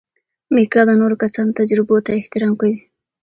میکا د نورو کسانو تجربو ته احترام کوي.